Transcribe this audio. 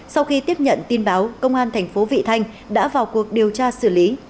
sau khi tiếp nhận tin báo công an tp vị thanh đã vào cuộc điều tra xử lý